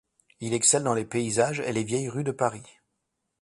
Il excelle dans les paysages et les vieilles rues de Paris.